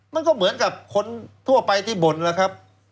มันก็เหมือนกับคนทั่วไปที่บ่นล่ะครับ